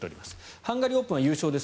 ハンガリーオープンは優勝です。